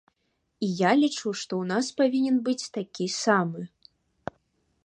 І я лічу, што ў нас павінен быць такі самы.